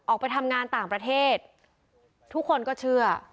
ออกไปทำงานต่างประเทศทุกคนก็เชื่อ